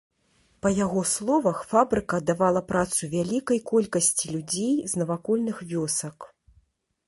Па яго словах, фабрыка давала працу вялікай колькасці людзей з навакольных вёсак.